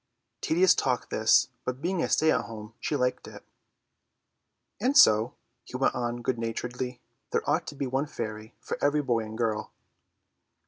Tedious talk this, but being a stay at home she liked it. "And so," he went on good naturedly, "there ought to be one fairy for every boy and girl."